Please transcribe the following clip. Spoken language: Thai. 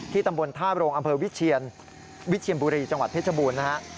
ตำบลท่าโรงอำเภอวิเชียนวิเชียนบุรีจังหวัดเพชรบูรณ์นะฮะ